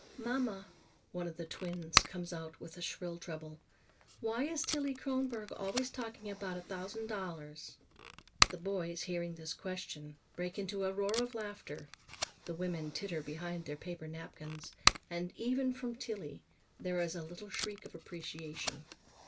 "Mamma," one of the twins comes out in a shrill treble, "why is Tillie Kronborg always talking about a thousand dollars?" The boys, hearing this question, break into a roar of laughter, the women titter behind their paper napkins, and even from Tillie there is a little shriek of appreciation.